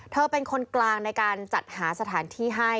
เธอเป็นคนกลางในการจัดหาสถานที่ให้